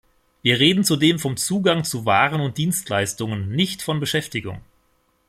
Wir reden zudem vom Zugang zu Waren und Dienstleistungen, nicht von Beschäftigung.